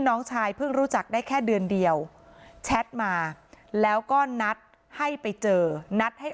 น้องชายเพิ่งรู้จักได้แค่เดือนเดียวแชทมาแล้วก็นัดให้ไปเจอนัดให้